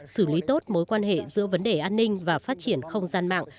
xử lý tốt mối quan hệ giữa vấn đề an ninh và phát triển không gian mạng